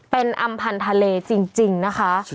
เป็นอำพันธ์ทะเลจริงนะคะ